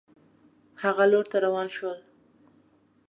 هغه لور ته روان شول.